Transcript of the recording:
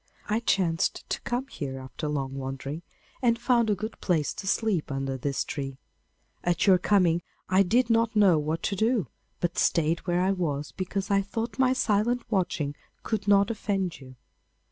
I chanced to come here after long wandering, and found a good place to sleep under this tree. At your coming I did not know what to do, but stayed where I was, because I thought my silent watching could not offend you.